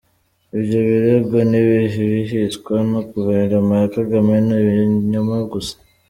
Ibyo birego n’ibihwihwiswa na Guverinoma ya Kagame ni ibinyoma gusa.